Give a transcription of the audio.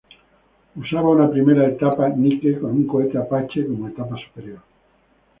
Usaba una primera etapa Nike con un cohete Apache como etapa superior.